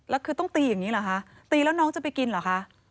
แล้วคือต้องตีอย่างนี้เหรอคะตีแล้วน้องจะไปกินเหรอคะ